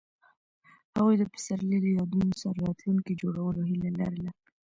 هغوی د پسرلی له یادونو سره راتلونکی جوړولو هیله لرله.